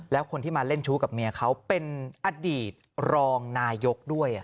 แล้วคนที่มาเล่นชู้กับเมียเขาเป็นอดีตรองนายกด้วย